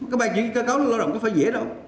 cơ bài chuyển dịch cơ cấu lao động không phải dễ đâu